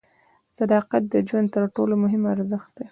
صداقت د ژوند تر ټولو مهم ارزښت دی.